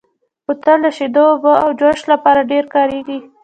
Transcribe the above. بوتل د شیدو، اوبو او جوس لپاره ډېر کارېږي.